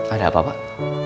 ada apa pak